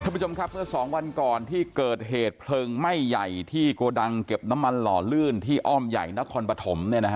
คุณผู้ชมครับเมื่อ๒วันก่อนที่เกิดเหตุเพลิงไหม้ใหญ่ที่โกดังเก็บน้ำมันหล่อลื่นที่อ้อมใหญ่นครปฐม